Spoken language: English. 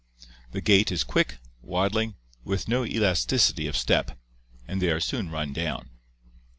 The gait is quick, waddling, with no elasticity of step, and they are soon run down.